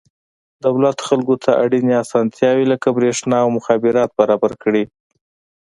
دولت خلکو ته اړینې اسانتیاوې لکه برېښنا او مخابرات برابر کړي.